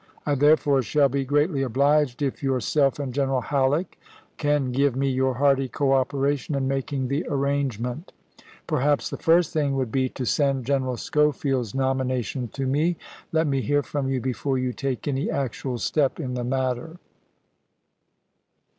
I therefore shall be greatly obliged if yourself and General HaUeck can give me your hearty cooperation in making the arrangement. Lincoln Perhaps the first thing would be to send General Scho ^°j^^^^^^^' field's nomination to me. Let me hear from you before isgs. ' ms. you take any actual step in the matter.